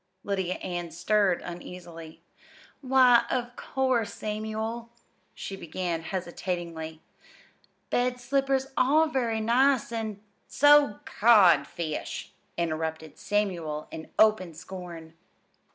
Lydia Ann stirred uneasily. "Why, of course, Samuel," she began hesitatingly, "bed slippers are very nice, an' " "So's codfish!" interrupted Samuel in open scorn.